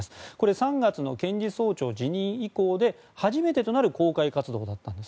３月の検事総長辞任以降で初めてとなる公開活動だったんです。